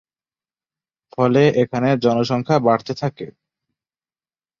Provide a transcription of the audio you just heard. ফলে এখানের জনসংখ্যা বাড়তে থাকে।